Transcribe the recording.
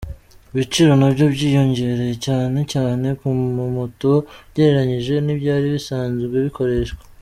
Ibiciro nabyo byiyongereye cyane cyane ku ma moto ugereranyije n’ibyari bisanzwe bikoreshwa.